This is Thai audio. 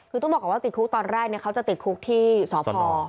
คือต้องบอกก่อนว่าติดคุกตอนแรกเขาจะติดคุกที่สพ